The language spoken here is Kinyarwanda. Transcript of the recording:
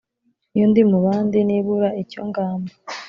iyo ndi mu bandi n’ ibura icyo ngamba